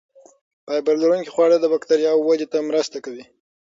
فایبر لرونکي خواړه د بکتریاوو ودې ته مرسته کوي.